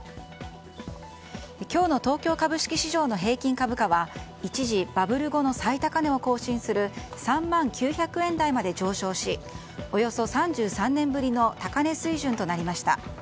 今日の東京株式市場の平均株価は一時バブル後の最高値を更新する３万９００円台まで上昇しおよそ３３年ぶりの高値水準となりました。